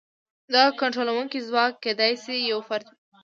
دا کنټرولونکی ځواک کېدای شي یو فرد وي.